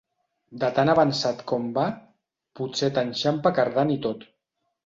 De tan avançat com va, potser t'enxampa cardant i tot.